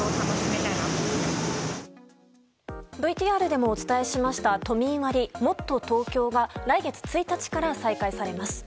ＶＴＲでもお伝えしました都民割、もっとＴｏｋｙｏが来月１日から再開されます。